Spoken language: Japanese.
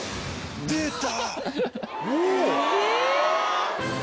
出た！